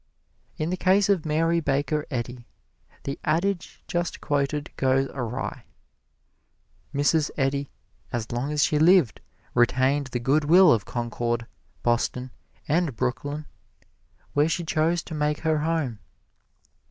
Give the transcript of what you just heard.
In the case of Mary Baker Eddy, the adage just quoted goes awry. Mrs. Eddy as long as she lived, retained the good will of Concord, Boston and Brookline, where she chose to make her home.